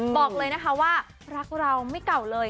บอกเลยนะคะว่ารักเราไม่เก่าเลย